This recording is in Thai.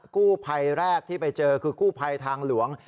กู้ภัยแรกที่ไปเจอคือกู้ภัยทางหลวง